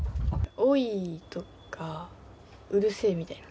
おい！とか、うるせぇ！みたいな。